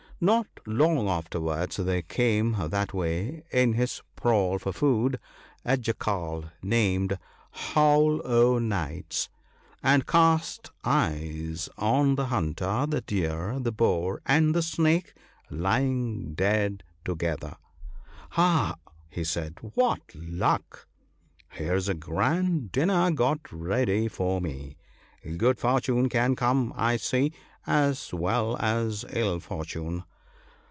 Not long afterwards, there came that way, in 4iis prowl for food, a Jackal, named " Howl o' Nights," and cast eyes on the hunter, the deer, the boar, and the snake lying dead together. "Aha!" said he, " what luck ! Here's a grand dinner got ready for me ! Good fortune can come, I see, as well as ill fortune.